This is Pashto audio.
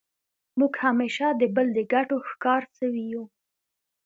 موږ همېشه د بل د ګټو ښکار سوي یو.